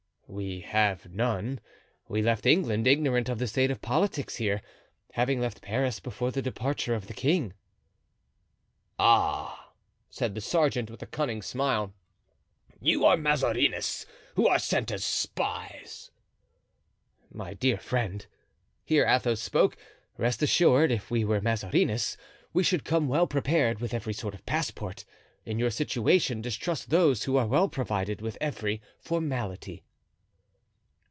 "We have none; we left England, ignorant of the state of politics here, having left Paris before the departure of the king." "Ah!" said the sergeant, with a cunning smile, "you are Mazarinists, who are sent as spies." "My dear friend," here Athos spoke, "rest assured, if we were Mazarinists we should come well prepared with every sort of passport. In your situation distrust those who are well provided with every formality."